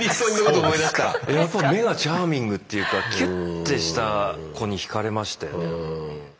やっぱ目がチャーミングっていうかキュッてした子に惹かれましたよね。